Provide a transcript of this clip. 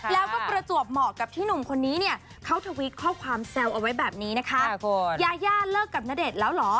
แล้วก็ประจวบเหมาะกับที่นุ่มคนนี้เขาเทวจข้อความแซลเอาไว้แบบนี้นะคะ